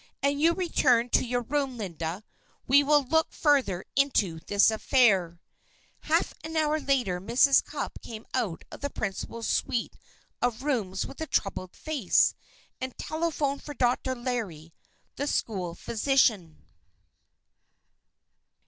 And you return to your room, Linda. We will look further into this affair." Half an hour later Mrs. Cupp came out of the principal's suite of rooms with a troubled face, and telephoned for Dr. Larry, the school physician.